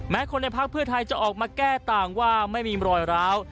คนในพักเพื่อไทยจะออกมาแก้ต่างว่าไม่มีรอยร้าว